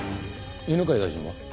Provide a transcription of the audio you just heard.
犬飼大臣は？